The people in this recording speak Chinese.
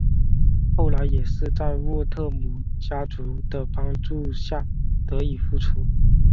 后来也是在沃特姆家族的帮助下得以复出。